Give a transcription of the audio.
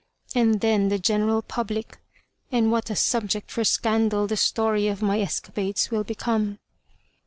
and then the general public? And what a subject for scandal the story of my escapades will become."